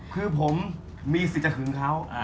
คือผมมีสิทธิ์จะหึงเขา